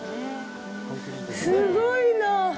すごいなあ。